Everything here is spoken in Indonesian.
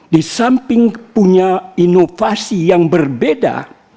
di samping punya inovasi yang berbeda